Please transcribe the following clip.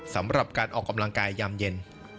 สำหรับการออกกำลังกายยามเย็น